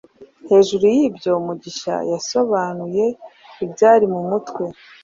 Hejuru y'ibiryo, Mugisha yasobanuye ibyari mu mutwe